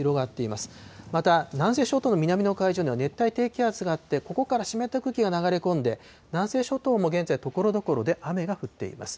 また南西諸島南の海上には、熱帯低気圧があって、ここから湿った空気が流れ込んで、南西諸島も現在、ところどころで雨が降っています。